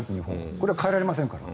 これは変えられませんからね。